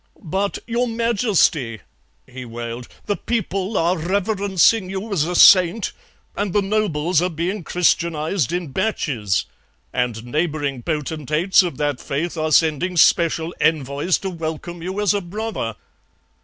"'But, your Majesty,' he wailed, 'the people are reverencing you as a saint, and the nobles are being Christianized in batches, and neighbouring potentates of that Faith are sending special envoys to welcome you as a brother.